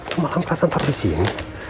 semalam perasaan tak disini